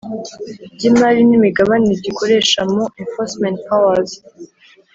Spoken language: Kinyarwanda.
Ry imari n imigabane gikoresha mu enforcement powers